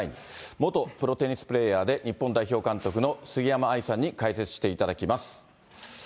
元プロテニスプレーヤーで日本代表監督の杉山愛さんに解説していただきます。